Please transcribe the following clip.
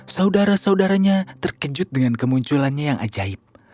saudara saudaranya terkejut dengan kemunculannya yang ajaib